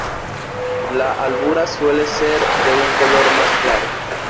La albura suele ser de un color más claro.